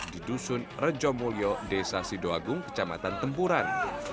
di dusun rejomulyo desa sidoagung kecamatan tempuran